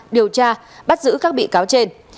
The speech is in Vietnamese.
điều tra bắt giữ các bị cáo trên